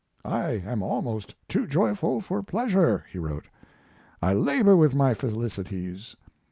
I am almost too joyful for pleasure [he wrote]. I labor with my felicities.